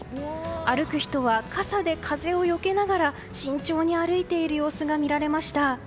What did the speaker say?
歩く人は傘で風をよけながら慎重に歩いている様子が見られました。